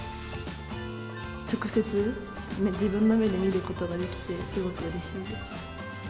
直接、自分の目で見ることができて、すごくうれしいです。